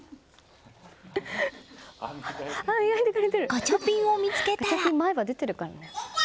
ガチャピンを見つけたら。